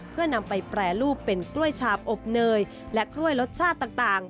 เพื่อนำไปแปรรูปเป็นกล้วยชาบอบเนยและกล้วยรสชาติต่าง